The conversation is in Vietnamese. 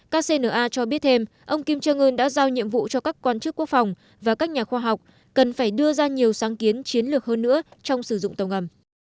kcna cho biết thêm ông kim jong un đã giao nhiệm vụ cho các quan chức quốc phòng và các nhà khoa học cần phải đưa ra nhiều sáng kiến chiến lược hơn nữa trong sử dụng tàu ngầm